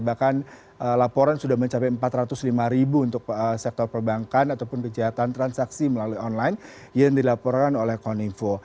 bahkan laporan sudah mencapai empat ratus lima ribu untuk sektor perbankan ataupun kejahatan transaksi melalui online yang dilaporkan oleh kominfo